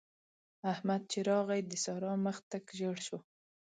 احمد چې راغی؛ د سارا مخ تک ژړ شو.